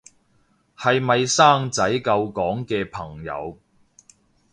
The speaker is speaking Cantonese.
係咪生仔救港嘅朋友